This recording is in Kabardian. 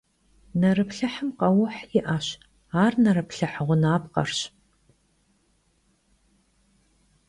Nerıplhıhım kheuh yi'eş, ar nerıplhıh ğunapkherş.